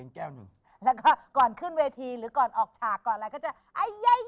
กว่าขึ้นเวทีหรือก่อนออกฉากก็จะ